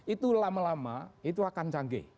itu lama lama itu akan canggih